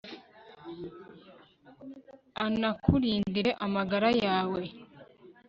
anakurindire amagara yawe